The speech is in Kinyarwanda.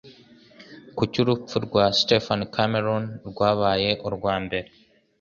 Kuki urupfu rwa Stephen Cameron rwabaye urwa mbere?